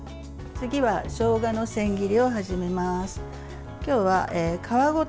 次はしょうがの千切りを始めます。